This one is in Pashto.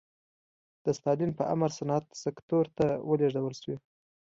د ستالین په امر صنعت سکتور ته ولېږدول شوې.